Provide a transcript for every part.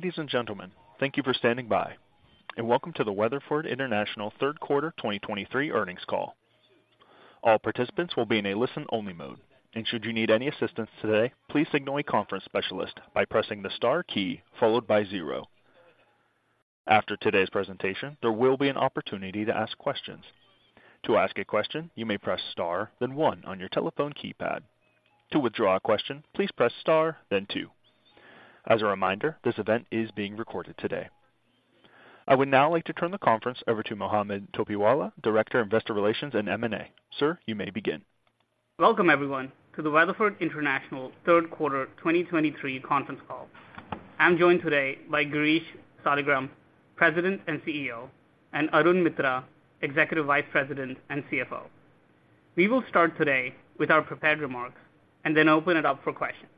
Ladies and gentlemen, thank you for standing by, and welcome to the Weatherford International 3Q 2023 earnings call. All participants will be in a listen-only mode, and should you need any assistance today, please signal a conference specialist by pressing the star key followed by zero. After today's presentation, there will be an opportunity to ask questions. To ask a question, you may press Star, then One on your telephone keypad. To withdraw a question, please press Star, then Two. As a reminder, this event is being recorded today. I would now like to turn the conference over to Mohammed Topiwala, Director, Investor Relations and M&A. Sir, you may begin. Welcome everyone, to the Weatherford International 3Q 2023 conference call. I'm joined today by Girish Saligram, President and CEO, and Arun Mitra, Executive Vice President and CFO. We will start today with our prepared remarks and then open it up for questions.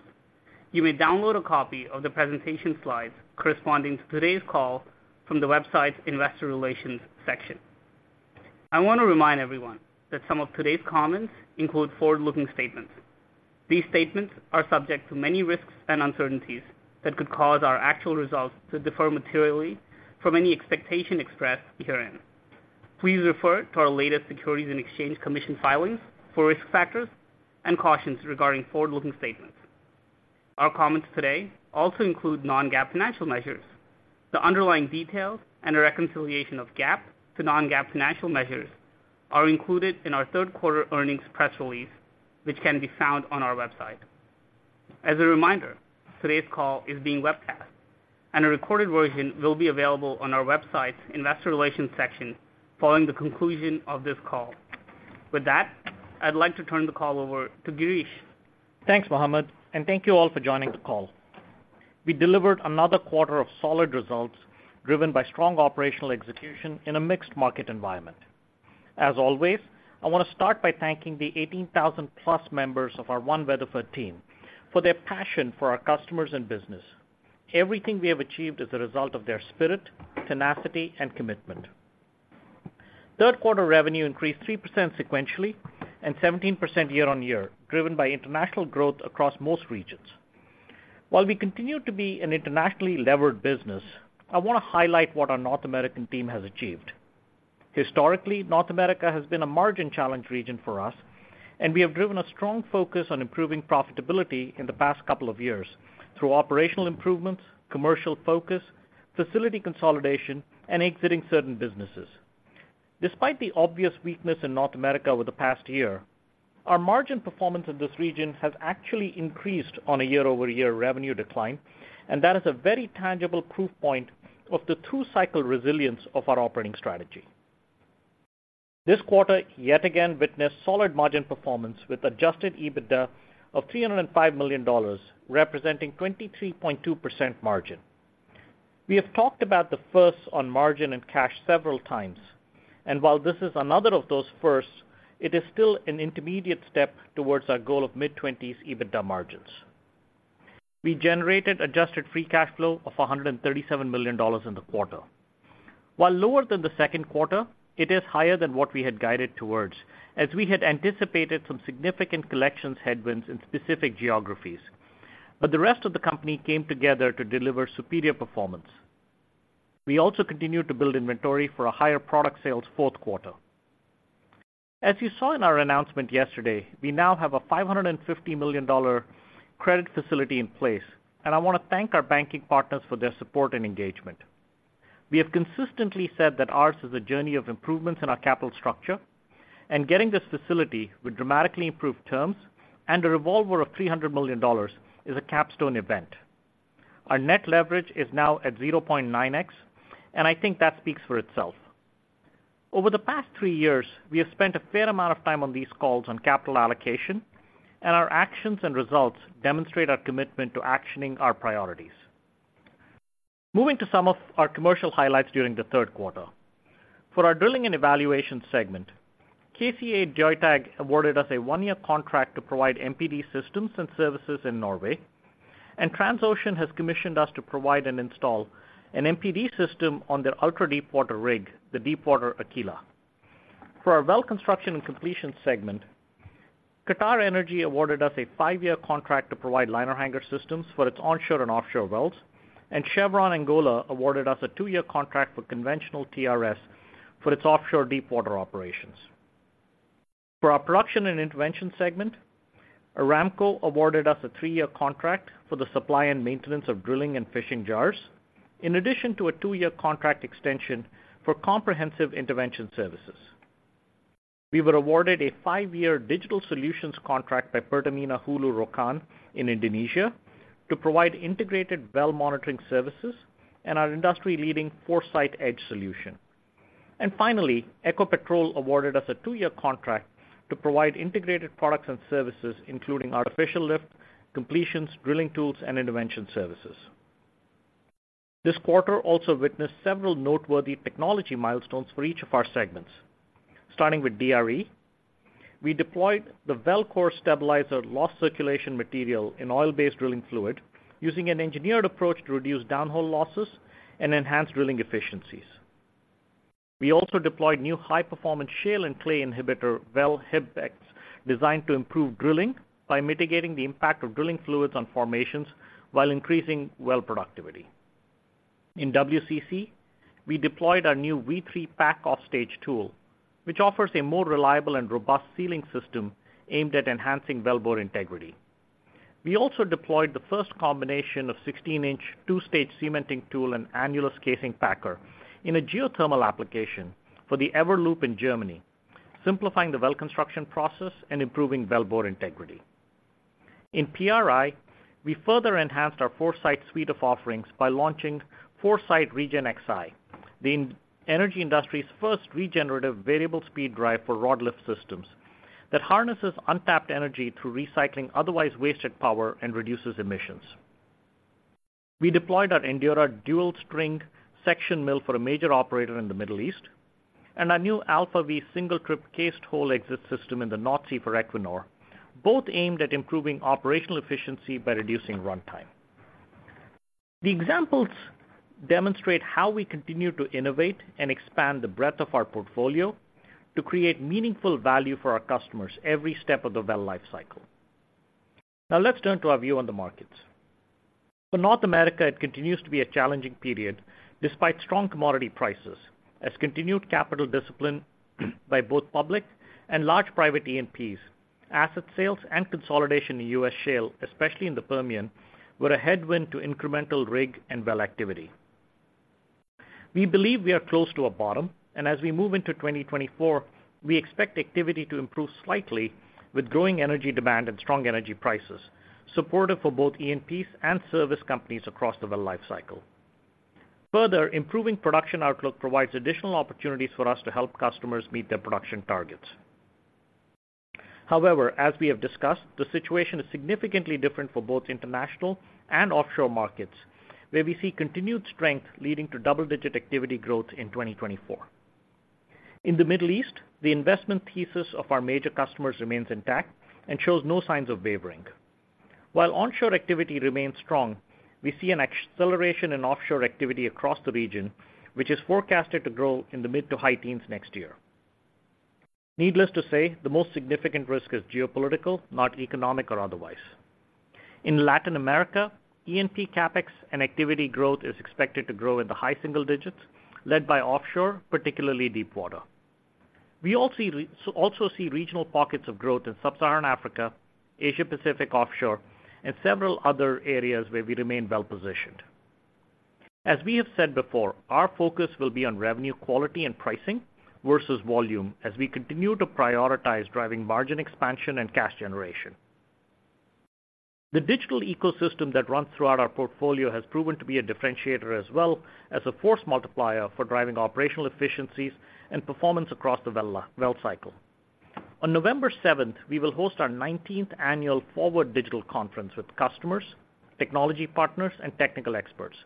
You may download a copy of the presentation slides corresponding to today's call from the website's Investor Relations section. I want to remind everyone that some of today's comments include forward-looking statements. These statements are subject to many risks and uncertainties that could cause our actual results to differ materially from any expectation expressed herein. Please refer to our latest Securities and Exchange Commission filings for risk factors and cautions regarding forward-looking statements. Our comments today also include non-GAAP financial measures. The underlying details and a reconciliation of GAAP to non-GAAP financial measures are included in our 3Q earnings press release, which can be found on our website. As a reminder, today's call is being webcast, and a recorded version will be available on our website's Investor Relations section following the conclusion of this call. With that, I'd like to turn the call over to Girish. Thanks, Mohammed, and thank you all for joining the call. We delivered another quarter of solid results, driven by strong operational execution in a mixed market environment. As always, I wanna start by thanking the 18,000+ members of our One Weatherford team for their passion for our customers and business. Everything we have achieved is a result of their spirit, tenacity and commitment. 3Q revenue increased 3% sequentially and 17% year-on-year, driven by international growth across most regions. While we continue to be an internationally levered business, I wanna highlight what our North American team has achieved. Historically, North America has been a margin-challenged region for us, and we have driven a strong focus on improving profitability in the past couple of years through operational improvements, commercial focus, facility consolidation, and exiting certain businesses. Despite the obvious weakness in North America over the past year, our margin performance in this region has actually increased on a year-over-year revenue decline, and that is a very tangible proof point of the two-cycle resilience of our operating strategy. This quarter, yet again, witnessed solid margin performance with Adjusted EBITDA of $305 million, representing 23.2% margin. We have talked about the firsts on margin and cash several times, and while this is another of those firsts, it is still an intermediate step towards our goal of mid-20s EBITDA margins. We generated Adjusted Free Cash Flow of $137 million in the quarter. While lower than the 2Q, it is higher than what we had guided towards, as we had anticipated some significant collections headwinds in specific geographies, but the rest of the company came together to deliver superior performance. We also continued to build inventory for a higher product sales 4Q. As you saw in our announcement yesterday, we now have a $550 million credit facility in place, and I wanna thank our banking partners for their support and engagement. We have consistently said that ours is a journey of improvements in our capital structure, and getting this facility with dramatically improved terms and a revolver of $300 million is a capstone event. Our net leverage is now at 0.9x, and I think that speaks for itself. Over the past 3 years, we have spent a fair amount of time on these calls on capital allocation, and our actions and results demonstrate our commitment to actioning our priorities. Moving to some of our commercial highlights during the 3Q. For our drilling and evaluation segment, KCA Deutag awarded us a 1-year contract to provide MPD systems and services in Norway, and Transocean has commissioned us to provide and install an MPD system on their ultra-deepwater rig, the Deepwater Aquila. For our well construction and completion segment, QatarEnergy awarded us a 5-year contract to provide liner hanger systems for its onshore and offshore wells, and Chevron Angola awarded us a 2-year contract for conventional TRS for its offshore deepwater operations. For our production and intervention segment, Aramco awarded us a 3-year contract for the supply and maintenance of drilling and fishing jars, in addition to a 2-year contract extension for comprehensive intervention services. We were awarded a 5-year digital solutions contract by Pertamina Hulu Rokan in Indonesia to provide integrated well monitoring services and our industry-leading ForeSite Edge solution. And finally, Ecopetrol awarded us a 2-year contract to provide integrated products and services, including artificial lift, completions, drilling tools, and intervention services. This quarter also witnessed several noteworthy technology milestones for each of our segments. Starting with DRE, we deployed the WellCore stabilizer loss circulation material in oil-based drilling fluid, using an engineered approach to reduce downhole losses and enhance drilling efficiencies.... We also deployed new high-performance shale and clay inhibitor, WellHub, designed to improve drilling by mitigating the impact of drilling fluids on formations while increasing well productivity. In WCC, we deployed our new V3 Pack Off Stage Tool, which offers a more reliable and robust sealing system aimed at enhancing wellbore integrity. We also deployed the first combination of 16-inch, two-stage cementing tool and annulus casing packer in a geothermal application for the Everloop in Germany, simplifying the well construction process and improving wellbore integrity. In PRI, we further enhanced our ForeSite suite of offerings by launching ForeSite RegenCy, the energy industry's first regenerative variable speed drive for rod lift systems, that harnesses untapped energy through recycling otherwise wasted power and reduces emissions. We deployed our Endura dual string section mill for a major operator in the Middle East, and our new Alpha V single trip cased-hole exit system in the North Sea for Equinor, both aimed at improving operational efficiency by reducing runtime. The examples demonstrate how we continue to innovate and expand the breadth of our portfolio to create meaningful value for our customers every step of the well life cycle. Now let's turn to our view on the markets. For North America, it continues to be a challenging period despite strong commodity prices, as continued capital discipline by both public and large private E&Ps, asset sales, and consolidation in US shale, especially in the Permian, were a headwind to incremental rig and well activity. We believe we are close to a bottom, and as we move into 2024, we expect activity to improve slightly with growing energy demand and strong energy prices, supportive for both E&Ps and service companies across the well life cycle. Further, improving production outlook provides additional opportunities for us to help customers meet their production targets. However, as we have discussed, the situation is significantly different for both international and offshore markets, where we see continued strength leading to double-digit activity growth in 2024. In the Middle East, the investment thesis of our major customers remains intact and shows no signs of wavering. While onshore activity remains strong, we see an acceleration in offshore activity across the region, which is forecasted to grow in the mid- to high teens next year. Needless to say, the most significant risk is geopolitical, not economic or otherwise. In Latin America, E&P CapEx and activity growth is expected to grow in the high single digits, led by offshore, particularly deepwater. We also see regional pockets of growth in sub-Saharan Africa, Asia Pacific offshore, and several other areas where we remain well positioned. As we have said before, our focus will be on revenue quality and pricing versus volume, as we continue to prioritize driving margin expansion and cash generation. The digital ecosystem that runs throughout our portfolio has proven to be a differentiator, as well as a force multiplier for driving operational efficiencies and performance across the well lifecycle. On 7 November we will host our 19th annual Forward Digital Conference with customers, technology partners, and technical experts.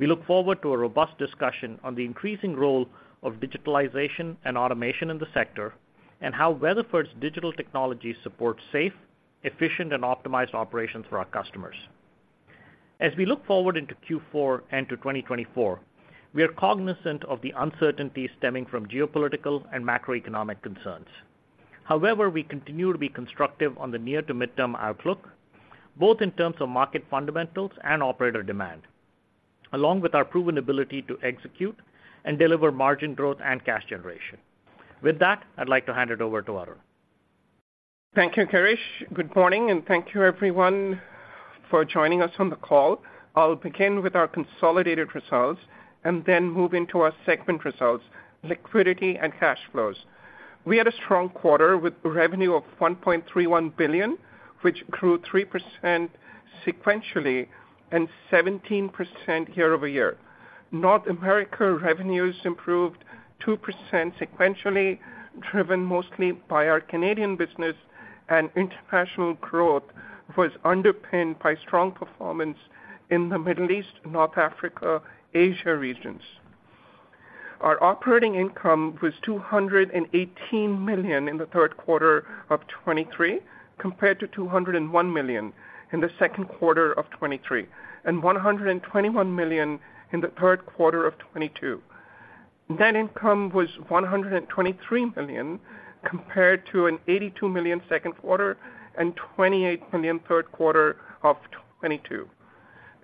We look forward to a robust discussion on the increasing role of digitalization and automation in the sector, and how Weatherford's digital technology supports safe, efficient, and optimized operations for our customers. As we look forward into Q4 and to 2024, we are cognizant of the uncertainties stemming from geopolitical and macroeconomic concerns. However, we continue to be constructive on the near to midterm outlook, both in terms of market fundamentals and operator demand, along with our proven ability to execute and deliver margin growth and cash generation. With that, I'd like to hand it over to Arun. Thank you, Girish. Good morning, and thank you everyone for joining us on the call. I'll begin with our consolidated results and then move into our segment results, liquidity and cash flows. We had a strong quarter with revenue of $1.31 billion, which grew 3% sequentially and 17% year-over-year. North America revenues improved 2% sequentially, driven mostly by our Canadian business, and international growth was underpinned by strong performance in the Middle East, North Africa, Asia regions. Our operating income was $218 million in the 3Q of 2023, compared to $201 million in the 2Q of 2023, and $121 million in the 3Q of 2022. Net income was $123 million, compared to an $82 million 2Q and $28 million 3Q of 2022.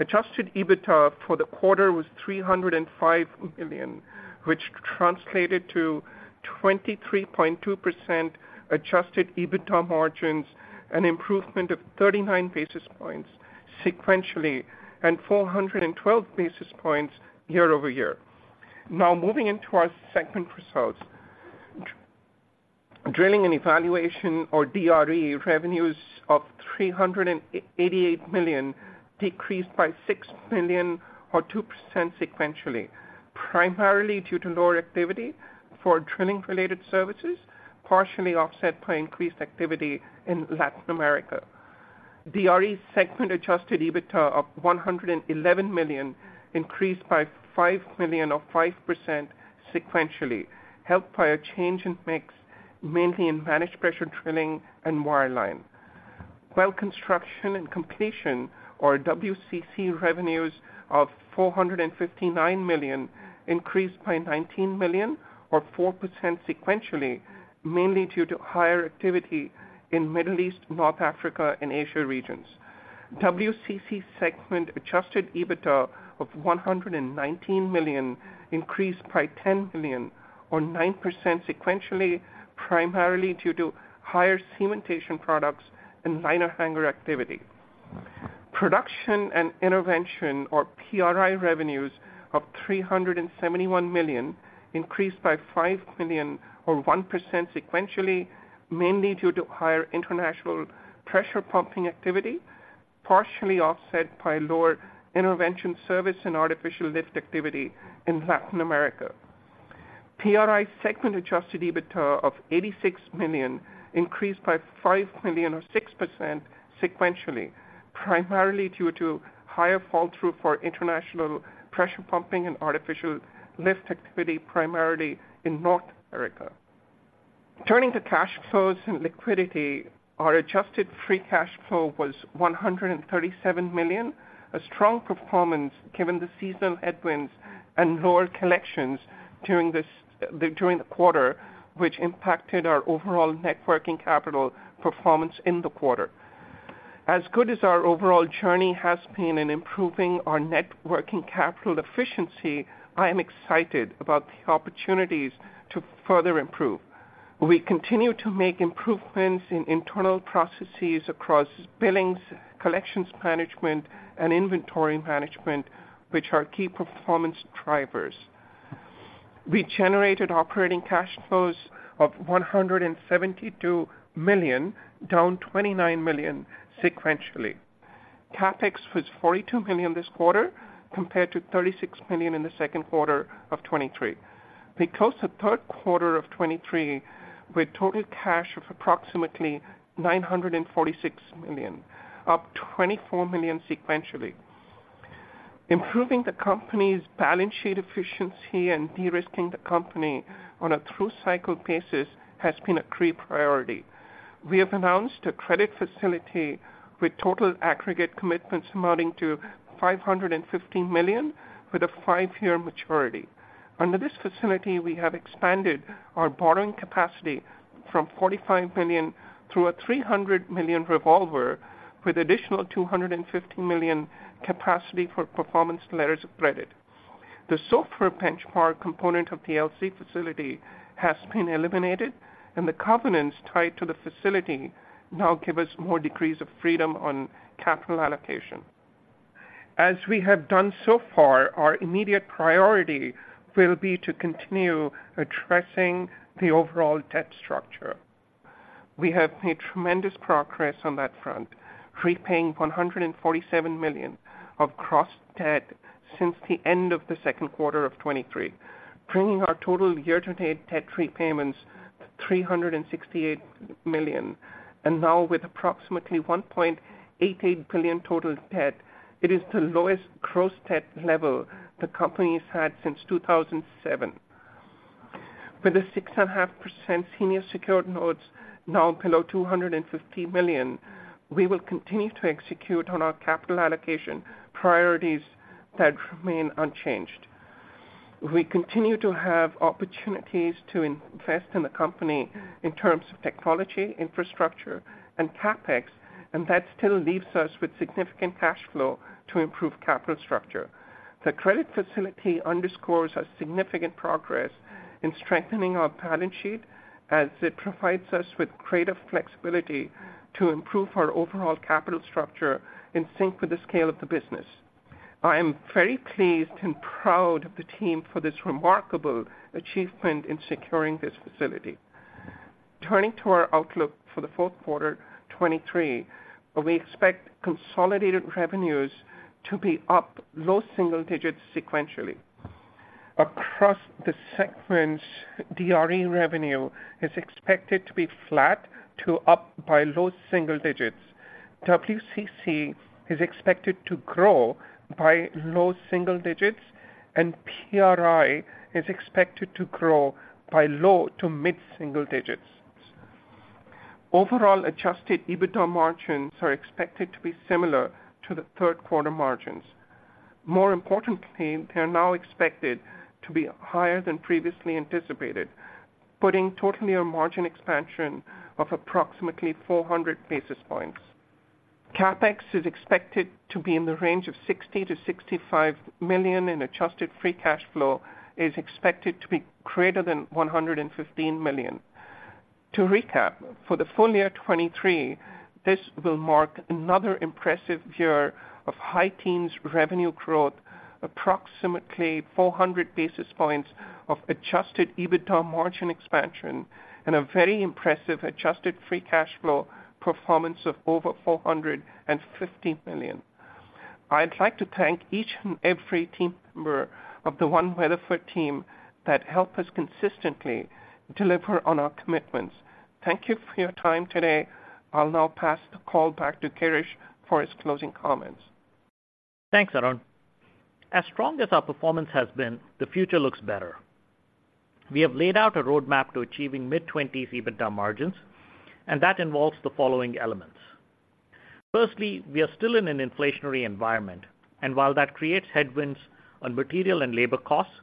Adjusted EBITDA for the quarter was $305 million, which translated to 23.2% adjusted EBITDA margins, an improvement of 39 basis points sequentially and 412 basis points year-over-year. Now, moving into our segment results. Drilling and Evaluation, or DRE, revenues of $388 million decreased by $6 million or 2% sequentially, primarily due to lower activity for drilling-related services, partially offset by increased activity in Latin America. DRE segment adjusted EBITDA of $111 million increased by $5 million or 5% sequentially, helped by a change in mix, mainly in managed pressure drilling and wireline.... Well construction and completion, or WCC, revenues of $459 million, increased by $19 million or 4% sequentially, mainly due to higher activity in Middle East, North Africa, and Asia regions. WCC segment adjusted EBITDA of $119 million increased by $10 million, or 9% sequentially, primarily due to higher cementation products and liner hanger activity. Production and intervention, or PRI revenues of $371 million, increased by $5 million or 1% sequentially, mainly due to higher international pressure pumping activity, partially offset by lower intervention service and artificial lift activity in Latin America. PRI segment adjusted EBITDA of $86 million increased by $5 million or 6% sequentially, primarily due to higher flow-through for international pressure pumping and artificial lift activity, primarily in North America. Turning to cash flows and liquidity, our adjusted free cash flow was $137 million, a strong performance given the seasonal headwinds and lower collections during the quarter, which impacted our overall net working capital performance in the quarter. As good as our overall journey has been in improving our networking capital efficiency, I am excited about the opportunities to further improve. We continue to make improvements in internal processes across billings, collections management, and inventory management, which are key performance drivers. We generated operating cash flows of $172 million, down $29 million sequentially. CapEx was $42 million this quarter, compared to $36 million in the 2Q of 2023. We closed the 3Q of 2023 with total cash of approximately $946 million, up $24 million sequentially. Improving the company's balance sheet efficiency and de-risking the company on a through cycle basis has been a key priority. We have announced a credit facility with total aggregate commitments amounting to $550 million, with a 5-year maturity. Under this facility, we have expanded our borrowing capacity from $45 million to a $300 million revolver, with additional $250 million capacity for performance letters of credit. The SOFR benchmark component of the LC facility has been eliminated, and the covenants tied to the facility now give us more degrees of freedom on capital allocation. As we have done so far, our immediate priority will be to continue addressing the overall debt structure. We have made tremendous progress on that front, repaying $147 million of cross debt since the end of the 2Q of 2023, bringing our total year-to-date debt repayments to $368 million. Now with approximately $1.88 billion total debt, it is the lowest gross debt level the company's had since 2007. With the 6.5% senior secured notes now below $250 million, we will continue to execute on our capital allocation priorities that remain unchanged. We continue to have opportunities to invest in the company in terms of technology, infrastructure and CapEx, and that still leaves us with significant cash flow to improve capital structure. The credit facility underscores our significant progress in strengthening our balance sheet, as it provides us with greater flexibility to improve our overall capital structure in sync with the scale of the business. I am very pleased and proud of the team for this remarkable achievement in securing this facility. Turning to our outlook for the 4Q 2023, we expect consolidated revenues to be up low single digits sequentially. Across the segments, DRE revenue is expected to be flat to up by low single digits. WCC is expected to grow by low single digits, and PRI is expected to grow by low to mid single digits. Overall, adjusted EBITDA margins are expected to be similar to the 3Q margins. More importantly, they are now expected to be higher than previously anticipated, putting total year margin expansion of approximately 400 basis points. CapEx is expected to be in the range of $60 million-$65 million, and adjusted free cash flow is expected to be greater than $115 million. To recap, for the full year 2023, this will mark another impressive year of high teens revenue growth, approximately 400 basis points of adjusted EBITDA margin expansion, and a very impressive adjusted free cash flow performance of over $450 million. I'd like to thank each and every team member of the One Weatherford team that help us consistently deliver on our commitments. Thank you for your time today. I'll now pass the call back to Girish for his closing comments. Thanks, Arun. As strong as our performance has been, the future looks better. We have laid out a roadmap to achieving mid-20s EBITDA margins, and that involves the following elements: firstly, we are still in an inflationary environment, and while that creates headwinds on material and labor costs,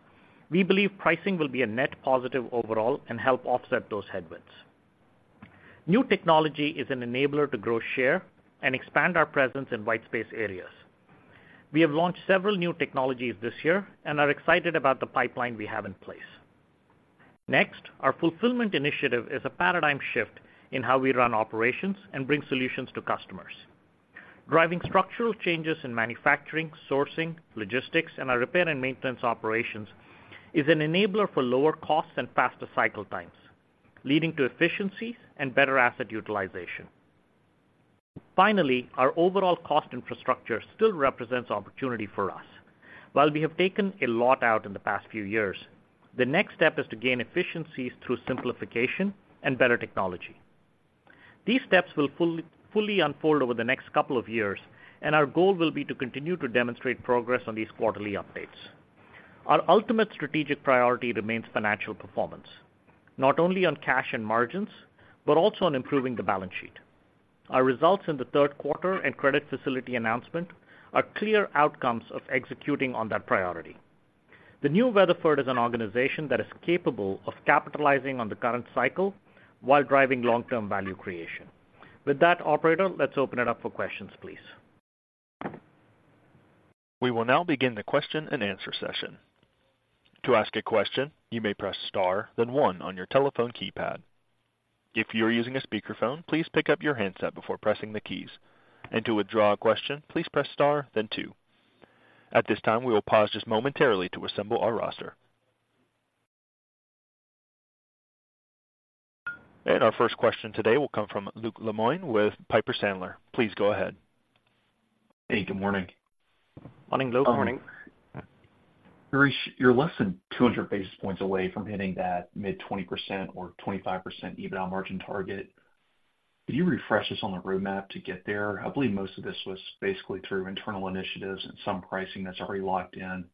we believe pricing will be a net positive overall and help offset those headwinds. New technology is an enabler to grow share and expand our presence in white space areas. We have launched several new technologies this year and are excited about the pipeline we have in place. Next, our fulfillment initiative is a paradigm shift in how we run operations and bring solutions to customers. Driving structural changes in manufacturing, sourcing, logistics, and our repair and maintenance operations is an enabler for lower costs and faster cycle times, leading to efficiencies and better asset utilization. Finally, our overall cost infrastructure still represents opportunity for us. While we have taken a lot out in the past few years, the next step is to gain efficiencies through simplification and better technology. These steps will fully unfold over the next couple of years, and our goal will be to continue to demonstrate progress on these quarterly updates. Our ultimate strategic priority remains financial performance, not only on cash and margins, but also on improving the balance sheet. Our results in the 3Q and credit facility announcement are clear outcomes of executing on that priority. The new Weatherford is an organization that is capable of capitalizing on the current cycle while driving long-term value creation. With that, operator, let's open it up for questions, please. We will now begin the question-and-answer session. To ask a question, you may press Star, then one on your telephone keypad. If you're using a speakerphone, please pick up your handset before pressing the keys. And to withdraw a question, please press Star then two. At this time, we will pause just momentarily to assemble our roster. Our first question today will come from Luke Lemoine with Piper Sandler. Please go ahead. Hey, good morning. Morning, Luke. Good morning. Girish, you're less than 200 basis points away from hitting that mid-20% or 25% EBITDA margin target. Could you refresh us on the roadmap to get there? I believe most of this was basically through internal initiatives and some pricing that's already locked in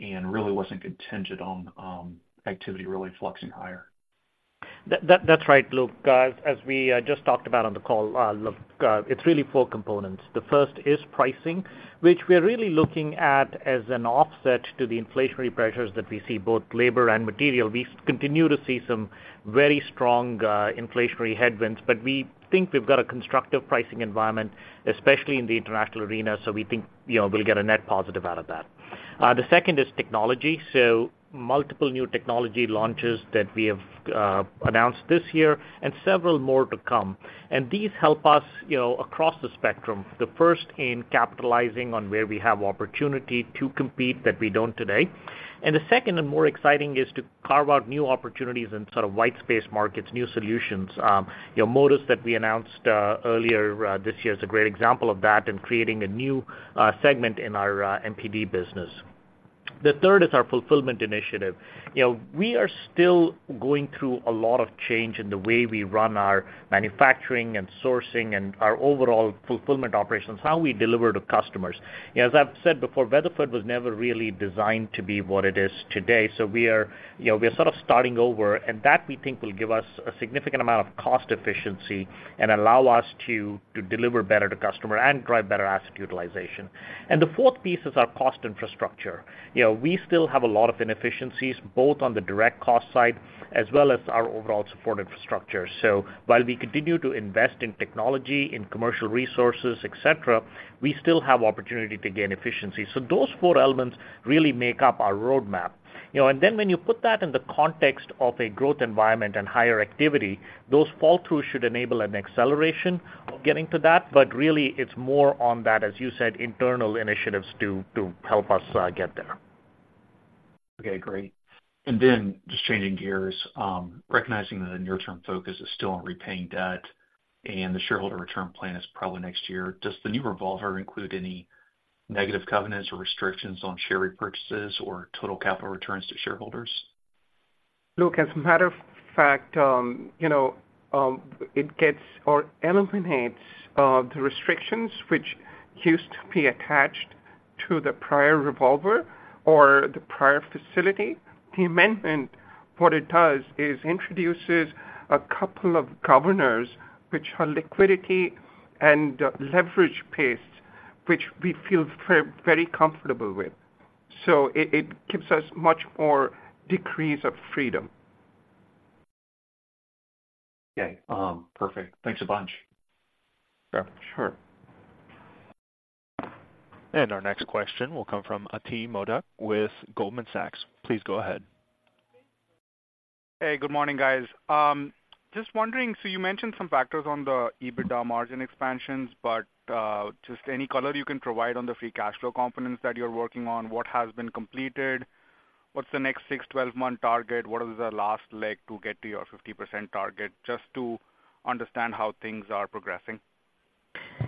and really wasn't contingent on, activity really fluxing higher. That's right, Luke. As we just talked about on the call, Luke, it's really four components. The first is pricing, which we are really looking at as an offset to the inflationary pressures that we see, both labor and material. We continue to see some very strong inflationary headwinds, but we think we've got a constructive pricing environment, especially in the international arena, so we think, you know, we'll get a net positive out of that. The second is technology. So multiple new technology launches that we have announced this year and several more to come. And these help us, you know, across the spectrum. The first in capitalizing on where we have opportunity to compete that we don't today. And the second, and more exciting, is to carve out new opportunities in sort of white space markets, new solutions. You know, Modus, that we announced earlier this year, is a great example of that in creating a new segment in our MPD business. The third is our fulfillment initiative. You know, we are still going through a lot of change in the way we run our manufacturing and sourcing and our overall fulfillment operations, how we deliver to customers. You know, as I've said before, Weatherford was never really designed to be what it is today, so we are, you know, we are sort of starting over, and that, we think, will give us a significant amount of cost efficiency and allow us to deliver better to customer and drive better asset utilization. The fourth piece is our cost infrastructure. You know, we still have a lot of inefficiencies, both on the direct cost side as well as our overall support infrastructure. So while we continue to invest in technology, in commercial resources, et cetera, we still have opportunity to gain efficiency. So those four elements really make up our roadmap. You know, and then when you put that in the context of a growth environment and higher activity, those flow-through should enable an acceleration of getting to that. But really, it's more on that, as you said, internal initiatives to help us get there. Okay, great. And then just changing gears, recognizing that the near-term focus is still on repaying debt and the shareholder return plan is probably next year, does the new revolver include any negative covenants or restrictions on share repurchases or total capital returns to shareholders? Luke, as a matter of fact, you know, it gets or eliminates the restrictions, which used to be attached to the prior revolver or the prior facility. The amendment, what it does, is introduces a couple of governors, which are liquidity and leverage pace, which we feel very, very comfortable with. So it, it gives us much more degrees of freedom. Okay, perfect. Thanks a bunch. Sure, sure. Our next question will come from Ati Modak with Goldman Sachs. Please go ahead. Hey, good morning, guys. Just wondering, so you mentioned some factors on the EBITDA margin expansions, but, just any color you can provide on the free cash flow components that you're working on, what has been completed? What's the next 6, 12-month target? What is the last leg to get to your 50% target? Just to understand how things are progressing. ...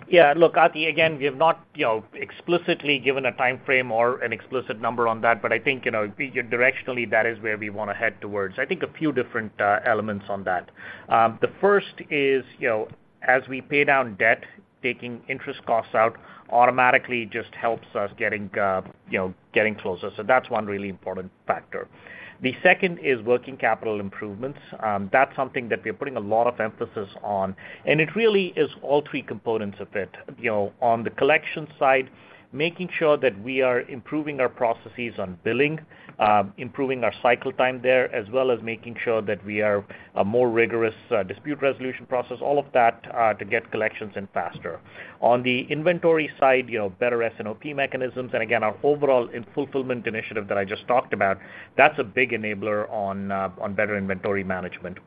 Yeah, look, Ati, again, we have not, you know, explicitly given a time frame or an explicit number on that, but I think, you know, directionally, that is where we want to head towards. I think a few different elements on that. The first is, you know, as we pay down debt, taking interest costs out automatically just helps us getting, you know, getting closer. So that's one really important factor. The second is working capital improvements. That's something that we're putting a lot of emphasis on, and it really is all three components of it. You know, on the collection side, making sure that we are improving our processes on billing, improving our cycle time there, as well as making sure that we are a more rigorous dispute resolution process, all of that to get collections in faster. On the inventory side, you know, better S&OP mechanisms, and again, our overall in fulfillment initiative that I just talked about, that's a big enabler on, on better inventory management.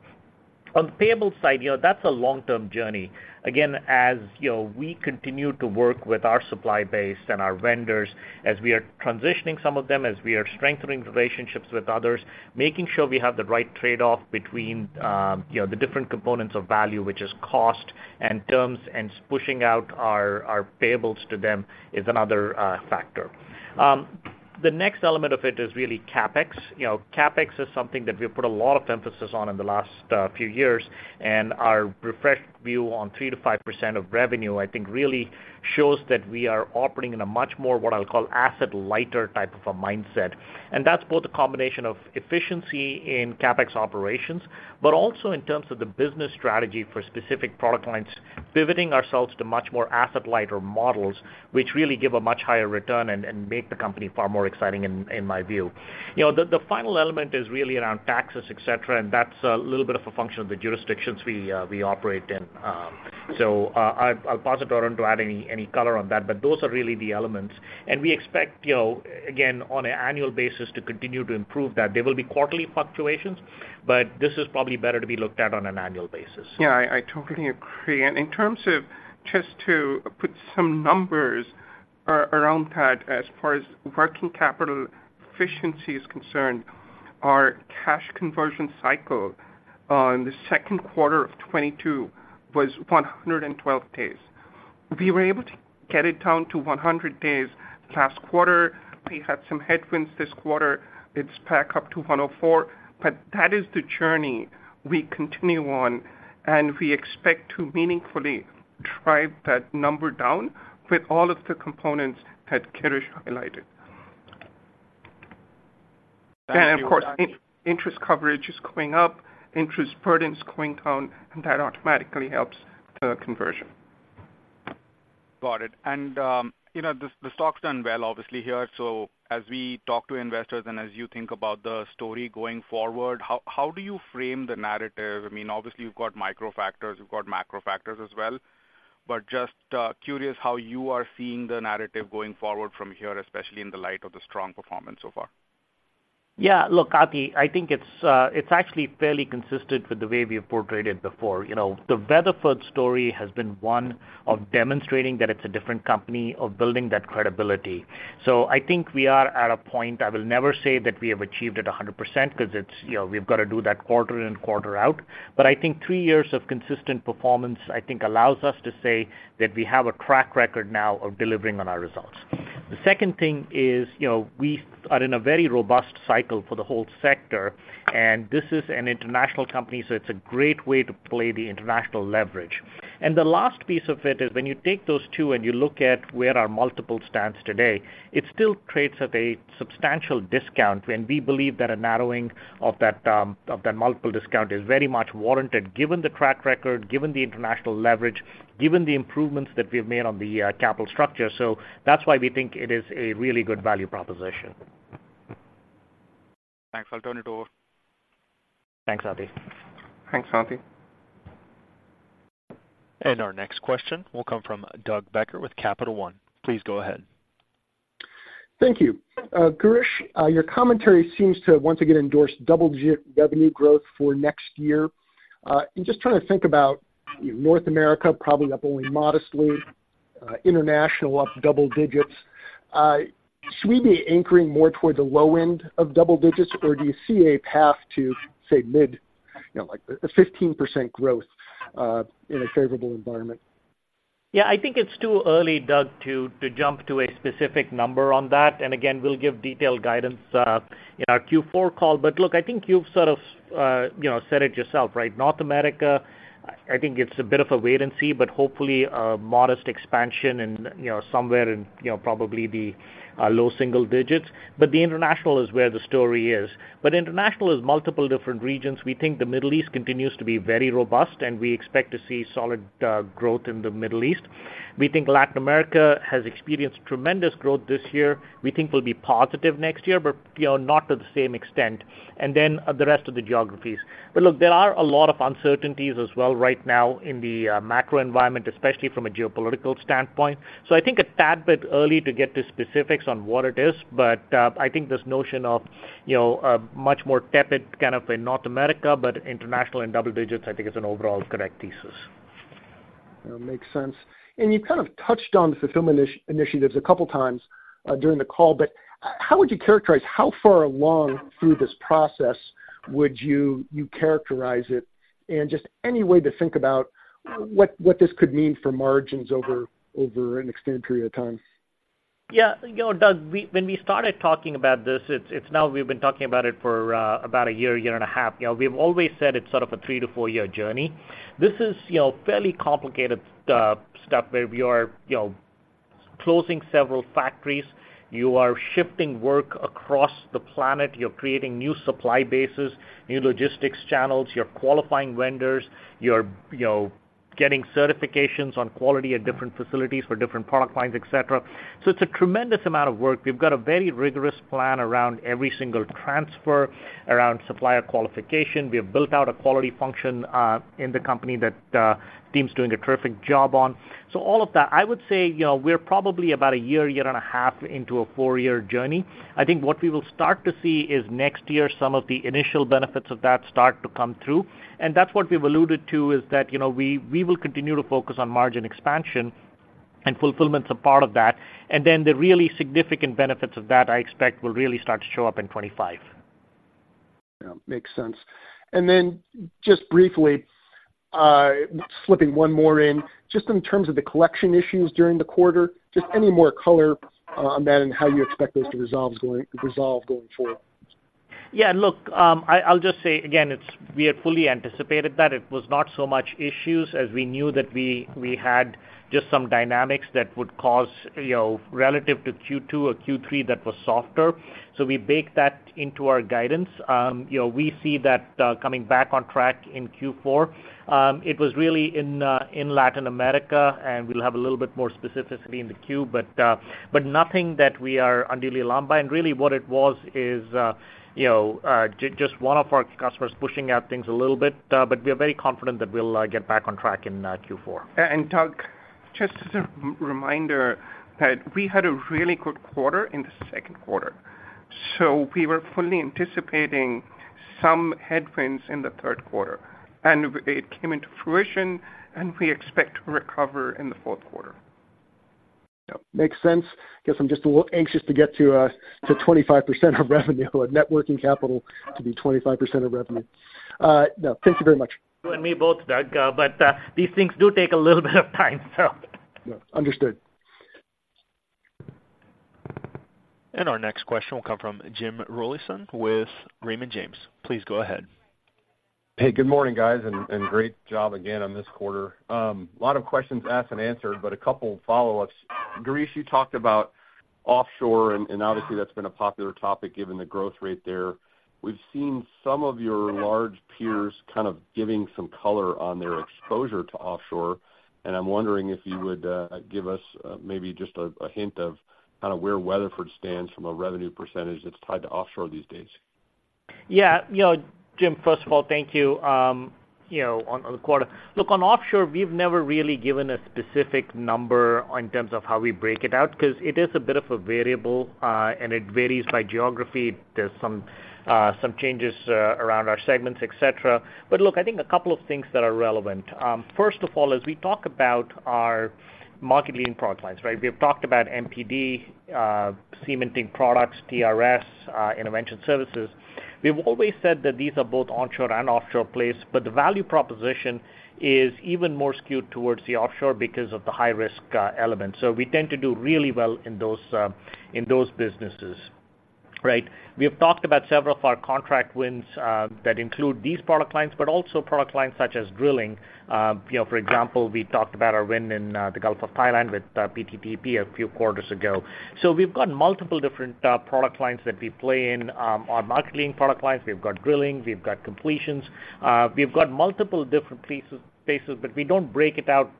On the payable side, you know, that's a long-term journey. Again, as, you know, we continue to work with our supply base and our vendors, as we are transitioning some of them, as we are strengthening relationships with others, making sure we have the right trade-off between, you know, the different components of value, which is cost and terms, and pushing out our, our payables to them is another, factor. The next element of it is really CapEx. You know, CapEx is something that we've put a lot of emphasis on in the last few years, and our refreshed view on 3%-5% of revenue, I think, really shows that we are operating in a much more, what I'll call, asset lighter type of a mindset. And that's both a combination of efficiency in CapEx operations, but also in terms of the business strategy for specific product lines, pivoting ourselves to much more asset lighter models, which really give a much higher return and make the company far more exciting, in my view. You know, the final element is really around taxes, et cetera, and that's a little bit of a function of the jurisdictions we operate in. So, I'll pause it to add any color on that, but those are really the elements. We expect, you know, again, on an annual basis, to continue to improve that. There will be quarterly fluctuations, but this is probably better to be looked at on an annual basis. Yeah, I totally agree. And in terms of just to put some numbers around that, as far as working capital efficiency is concerned, our cash conversion cycle in the 2Q of 2022 was 112 days. We were able to get it down to 100 days last quarter. We had some headwinds this quarter, it's back up to 104. But that is the journey we continue on, and we expect to meaningfully drive that number down with all of the components that Girish highlighted. Thank you, Ati. Of course, interest coverage is going up, interest burden is going down, and that automatically helps the conversion. Got it. And, you know, the stock's done well, obviously, here. So as we talk to investors and as you think about the story going forward, how do you frame the narrative? I mean, obviously, you've got micro factors, you've got macro factors as well, but just curious how you are seeing the narrative going forward from here, especially in the light of the strong performance so far. Yeah. Look, Ati, I think it's, it's actually fairly consistent with the way we have portrayed it before. You know, the Weatherford story has been one of demonstrating that it's a different company, of building that credibility. So I think we are at a point. I will never say that we have achieved it 100% because it's, you know, we've got to do that quarter in and quarter out. But I think three years of consistent performance, I think, allows us to say that we have a track record now of delivering on our results. The second thing is, you know, we are in a very robust cycle for the whole sector, and this is an international company, so it's a great way to play the international leverage. The last piece of it is when you take those two and you look at where our multiple stands today, it still trades at a substantial discount, and we believe that a narrowing of that, of that multiple discount is very much warranted, given the track record, given the international leverage, given the improvements that we've made on the, capital structure. So that's why we think it is a really good value proposition. Thanks. I'll turn it over. Thanks, Ati. Thanks, Ati. Our next question will come from Doug Becker with Capital One. Please go ahead. Thank you. Girish, your commentary seems to once again endorse double-digit revenue growth for next year. I'm just trying to think about North America, probably up only modestly, international, up double digits. Should we be anchoring more toward the low end of double digits, or do you see a path to, say, mid, you know, like a 15% growth, in a favorable environment? Yeah, I think it's too early, Doug, to jump to a specific number on that. And again, we'll give detailed guidance in our Q4 call. But look, I think you've sort of you know, said it yourself, right? North America, I think it's a bit of a wait-and-see, but hopefully a modest expansion and, you know, somewhere in, you know, probably the low single digits. But the international is where the story is. But international is multiple different regions. We think the Middle East continues to be very robust, and we expect to see solid growth in the Middle East. We think Latin America has experienced tremendous growth this year. We think we'll be positive next year, but, you know, not to the same extent, and then the rest of the geographies. But look, there are a lot of uncertainties as well right now in the macro environment, especially from a geopolitical standpoint. So I think a tad bit early to get to specifics on what it is, but I think this notion of, you know, a much more tepid kind of in North America, but international and double digits, I think is an overall correct thesis. That makes sense. And you kind of touched on the fulfillment initiatives a couple times during the call, but how would you characterize how far along through this process would you characterize it? And just any way to think about what this could mean for margins over an extended period of time? Yeah, you know, Doug, when we started talking about this, it's now we've been talking about it for about a year, year and a half. You know, we've always said it's sort of a 3-4-year journey. This is, you know, fairly complicated stuff where we are, you know, closing several factories. You are shifting work across the planet. You're creating new supply bases, new logistics channels, you're qualifying vendors, you're, you know, getting certifications on quality at different facilities for different product lines, et cetera. So it's a tremendous amount of work. We've got a very rigorous plan around every single transfer, around supplier qualification. We have built out a quality function in the company that the team's doing a terrific job on. So all of that, I would say, you know, we're probably about a year, year and a half into a 4-year journey. I think what we will start to see is next year, some of the initial benefits of that start to come through, and that's what we've alluded to, is that, you know, we, we will continue to focus on margin expansion, and fulfillment's a part of that. And then the really significant benefits of that, I expect, will really start to show up in 2025. Yeah, makes sense. And then just briefly, slipping one more in, just in terms of the collection issues during the quarter, just any more color on that and how you expect those to resolve going forward? Yeah, look, I'll just say again, it's we had fully anticipated that it was not so much issues as we knew that we had just some dynamics that would cause, you know, relative to Q2 or Q3, that was softer. So we baked that into our guidance. You know, we see that coming back on track in Q4. It was really in Latin America, and we'll have a little bit more specificity in the Q, but nothing that we are unduly alarmed by. And really what it was is, you know, just one of our customers pushing out things a little bit, but we are very confident that we'll get back on track in Q4. Doug, just as a reminder that we had a really good quarter in the 2Q, so we were fully anticipating some headwinds in the 3Q, and it came into fruition, and we expect to recover in the 4Q. Yep, makes sense. Guess I'm just a little anxious to get to 25% of revenue, or net working capital to be 25% of revenue. No, thank you very much. You and me both, Doug, but these things do take a little bit of time, so. Yeah, understood. Our next question will come from Jim Rollyson with Raymond James. Please go ahead. Hey, good morning, guys, and, and great job again on this quarter. A lot of questions asked and answered, but a couple follow-ups. Girish, you talked about offshore, and, and obviously, that's been a popular topic given the growth rate there. We've seen some of your large peers kind of giving some color on their exposure to offshore, and I'm wondering if you would give us maybe just a hint of kind of where Weatherford stands from a revenue percentage that's tied to offshore these days. Yeah, you know, Jim, first of all, thank you, you know, on the quarter. Look, on offshore, we've never really given a specific number in terms of how we break it out, 'cause it is a bit of a variable, and it varies by geography. There's some changes around our segments, et cetera. But look, I think a couple of things that are relevant. First of all, as we talk about our market-leading product lines, right? We have talked about MPD, cementing products, DRS, intervention services. We've always said that these are both onshore and offshore plays, but the value proposition is even more skewed towards the offshore because of the high-risk elements. So we tend to do really well in those businesses, right? We have talked about several of our contract wins, that include these product lines, but also product lines such as drilling. You know, for example, we talked about our win in, the Gulf of Thailand with, PTTEP a few quarters ago. So we've got multiple different, product lines that we play in, our market-leading product lines. We've got drilling, we've got completions. We've got multiple different pieces-places, but we don't break it out,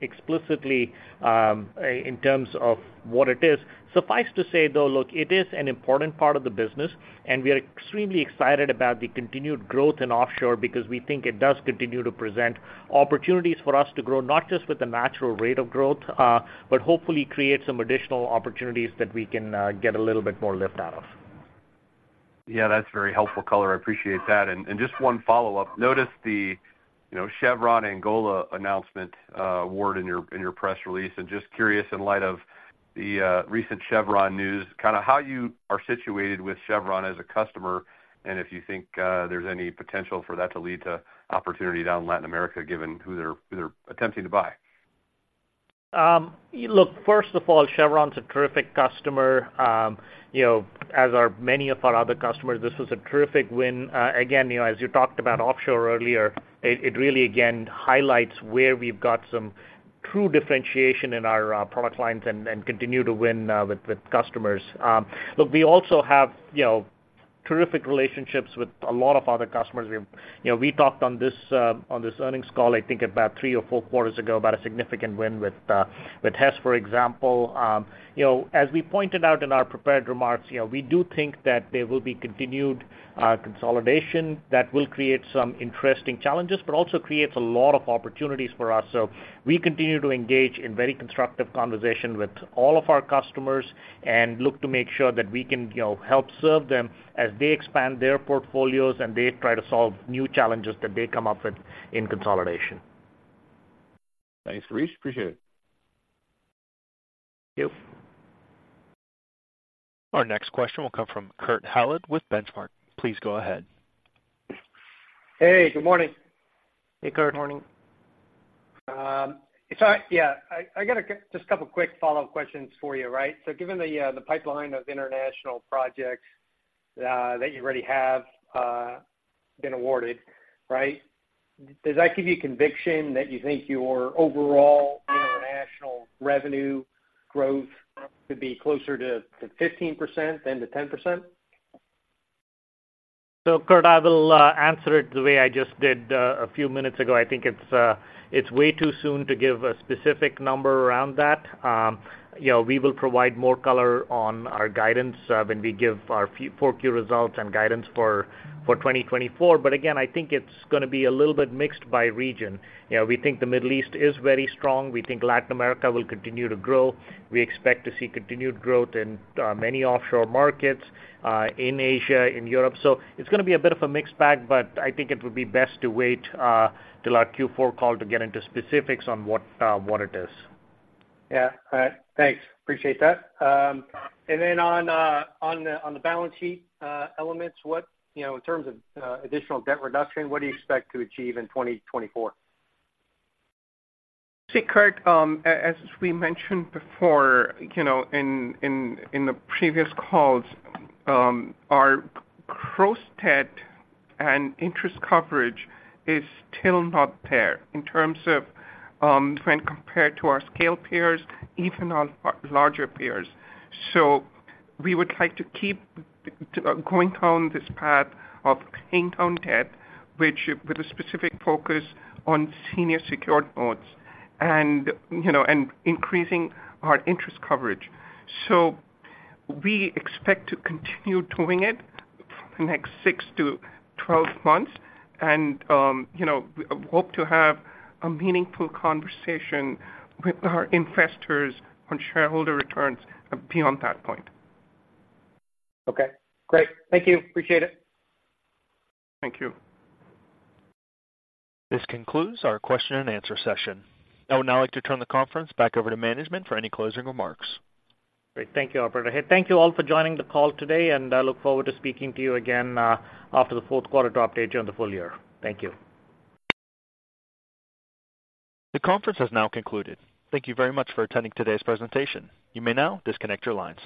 explicitly, in terms of what it is. Suffice to say, though, look, it is an important part of the business, and we are extremely excited about the continued growth in offshore because we think it does continue to present opportunities for us to grow, not just with the natural rate of growth, but hopefully create some additional opportunities that we can get a little bit more lift out of. Yeah, that's very helpful color. I appreciate that. And just one follow-up. Noticed the, you know, Chevron Angola announcement, award in your press release, and just curious, in light of the recent Chevron news, kind of how you are situated with Chevron as a customer, and if you think there's any potential for that to lead to opportunity down in Latin America, given who they're attempting to buy. Look, first of all, Chevron's a terrific customer. You know, as are many of our other customers, this was a terrific win. Again, you know, as you talked about offshore earlier, it really, again, highlights where we've got some true differentiation in our product lines and continue to win with customers. Look, we also have, you know, terrific relationships with a lot of other customers. We've. You know, we talked on this earnings call, I think, about three or four quarters ago, about a significant win with Hess, for example. You know, as we pointed out in our prepared remarks, you know, we do think that there will be continued consolidation that will create some interesting challenges, but also creates a lot of opportunities for us. We continue to engage in very constructive conversation with all of our customers and look to make sure that we can, you know, help serve them as they expand their portfolios and they try to solve new challenges that they come up with in consolidation. Thanks, Girish. Appreciate it. Thank you. Our next question will come from Kurt Hallead with Benchmark. Please go ahead. Hey, good morning. Hey, Kurt. Good morning. So yeah, I got just a couple quick follow-up questions for you, right? So given the pipeline of international projects that you already have been awarded, right, does that give you conviction that you think your overall international revenue growth could be closer to 15% than to 10%? So, Kurt, I will answer it the way I just did a few minutes ago. I think it's way too soon to give a specific number around that. You know, we will provide more color on our guidance when we give our Q4 results and guidance for 2024. But again, I think it's gonna be a little bit mixed by region. You know, we think the Middle East is very strong. We think Latin America will continue to grow. We expect to see continued growth in many offshore markets in Asia, in Europe. So it's gonna be a bit of a mixed bag, but I think it would be best to wait till our Q4 call to get into specifics on what it is. Yeah. All right. Thanks. Appreciate that. And then on the balance sheet elements, what... You know, in terms of additional debt reduction, what do you expect to achieve in 2024? See, Kurt, as we mentioned before, you know, in the previous calls, our gross debt and interest coverage is still not there in terms of, when compared to our scale peers, even our larger peers. So we would like to keep going down this path of paying down debt, which with a specific focus on senior secured notes and, you know, and increasing our interest coverage. So we expect to continue doing it for the next 6-12 months, and, you know, we hope to have a meaningful conversation with our investors on shareholder returns beyond that point. Okay, great. Thank you. Appreciate it. Thank you. This concludes our question and answer session. I would now like to turn the conference back over to management for any closing remarks. Great. Thank you, operator. Thank you all for joining the call today, and I look forward to speaking to you again, after the 4Q to update you on the full year. Thank you. The conference has now concluded. Thank you very much for attending today's presentation. You may now disconnect your line.